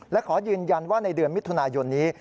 และขอยืนยันว่าในเดือนมิถุนายนนี้